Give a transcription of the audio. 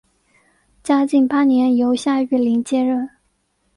嘉靖八年由夏玉麟接任。